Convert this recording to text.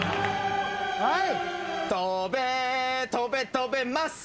はい。